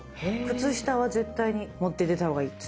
靴下は絶対に持って出た方がいいっつって。